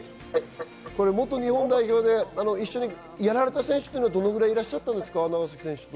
元日本代表で一緒にやられた選手はどのくらいいらっしゃったんですか？